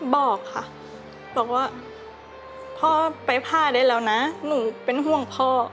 บอกค่ะบอกว่าพ่อไปผ้าได้แล้วนะหนูเป็นห่วงพ่อ